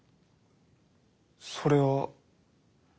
それは。